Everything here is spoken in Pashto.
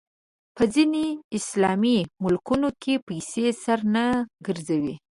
په ځینو اسلامي ملکونو کې پسې سر نه ګرځوي